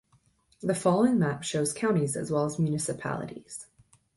The following map shows counties as well as municipalities.